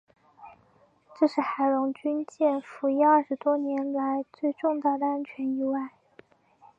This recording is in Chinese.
这是海龙军舰服役二十多年来最重大的安全意外。